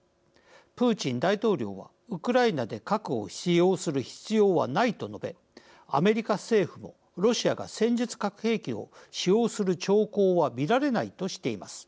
プーチン大統領はウクライナで核を使用する必要はないと述べアメリカ政府もロシアが戦術核兵器を使用する兆候は見られないとしています。